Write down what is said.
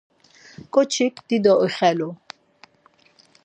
Ǩoçik dido ixelu.